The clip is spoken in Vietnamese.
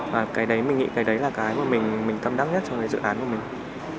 và cái đấy mình nghĩ cái đấy là cái mà mình tâm đắc nhất trong dự án của mình